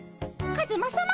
カズマさま